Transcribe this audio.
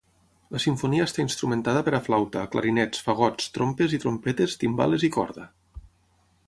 La simfonia està instrumentada per a flauta, clarinets, fagots, trompes i trompetes, timbales i corda.